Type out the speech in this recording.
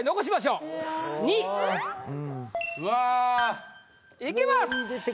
うわ！いきます